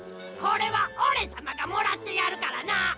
これはおれさまがもらってやるからな。